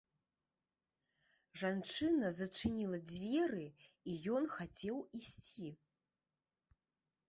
Жанчына зачыніла дзверы, і ён хацеў ісці.